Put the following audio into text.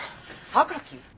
榊？